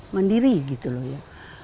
mendiri gitu loh ya